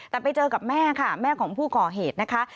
แต่ไปเจอกับแม่ค่ะแม่ของผู้ก่อเหตุนะคะ